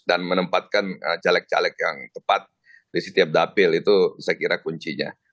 dan menempatkan caleg caleg yang tepat di setiap dapil itu saya kira kuncinya